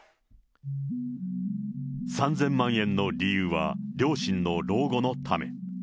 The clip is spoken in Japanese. ３０００万円の理由は、両親の老後のため。